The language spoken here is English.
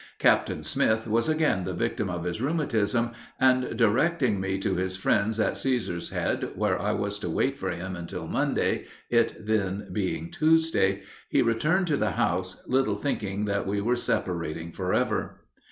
Captain Smith was again the victim of his rheumatism, and directing me to his friends at Cæsar's Head, where I was to wait for him until Monday (it then being Tuesday), he returned to the house, little thinking that we were separating forever.